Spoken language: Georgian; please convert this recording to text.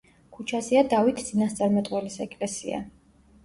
ქუჩაზეა დავით წინასწარმეტყველის ეკლესია.